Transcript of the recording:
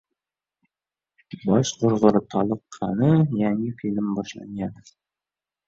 Bosh qurg‘ur toliq-qani, yangi film boshlangani...